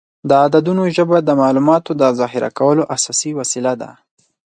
د عددونو ژبه د معلوماتو د ذخیره کولو اساسي وسیله ده.